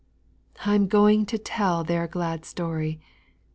8. I 'm going to tell their glad story.